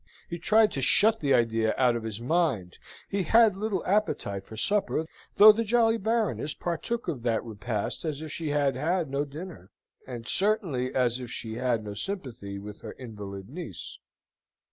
He tried to shut the idea out from his mind. He had little appetite for supper, though the jolly Baroness partook of that repast as if she had had no dinner; and certainly as if she had no sympathy with her invalid niece.